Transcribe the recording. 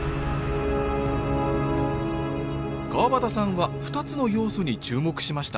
河端さんは２つの要素に注目しました。